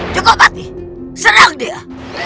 jogopati serang dia